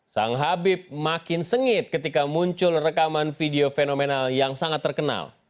sang habib makin sengit ketika muncul rekaman video fenomenal yang sangat terkenal